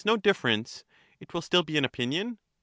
no difference ; it will still be an opinion